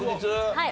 はい。